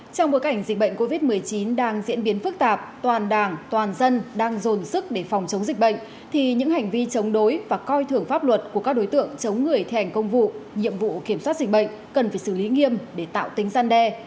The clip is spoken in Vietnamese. trong bối cảnh dịch bệnh covid một mươi chín đang diễn biến phức tạp toàn đảng toàn dân đang dồn sức để phòng chống dịch bệnh thì những hành vi chống đối và coi thưởng pháp luật của các đối tượng chống người thi hành công vụ nhiệm vụ kiểm soát dịch bệnh cần phải xử lý nghiêm để tạo tính gian đe